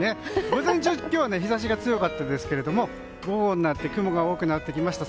午前中、今日は日差しが強かったですが午後になって雲が多くなってきました。